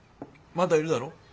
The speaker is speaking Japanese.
まだいるだろ？